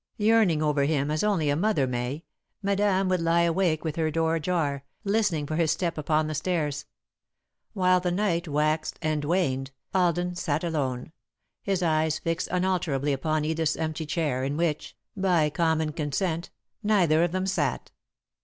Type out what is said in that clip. Yearning over him as only a mother may, Madame would lie awake with her door ajar, listening for his step upon the stairs. While the night waxed and waned, Alden sat alone, his eyes fixed unalterably upon Edith's empty chair, in which, by common consent, neither of them sat.